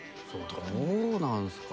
どうなんすかね。